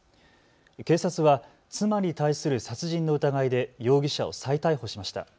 警察は妻に対する殺人の疑いで容疑者を再逮捕しました。